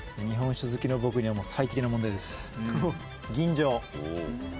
日本酒好きの僕には最適な問題。